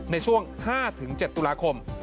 ในช่วง๕๗ตุลาคม